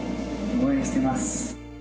応援してます。